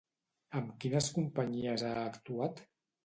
Amb quines companyies ha actuat?